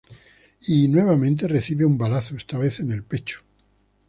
Y —nuevamente recibe un balazo, esta vez en el pecho.